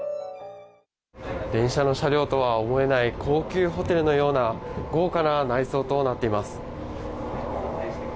電車の車両とは思えない、高級ホテルのような豪華な内装となっています。